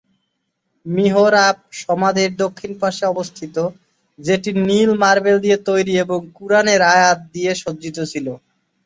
মিহরাব সমাধির দক্ষিণ পাশে অবস্থিত, যেটি নীল মার্বেল দিয়ে তৈরি এবং কুরআনের আয়াত দিয়ে সজ্জিত ছিল।